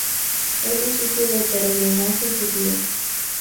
Es un sitio de peregrinaje judío.